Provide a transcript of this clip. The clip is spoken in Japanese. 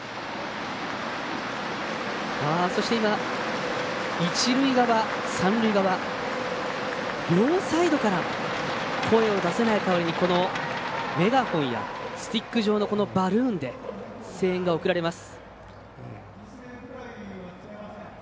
そして今、一塁側、三塁側両サイドから声を出せない代わりにメガホンや、スティック状のバルーンで声援が送られます。